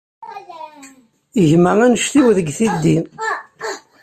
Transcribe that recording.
Gma anect-iw deg tiddi.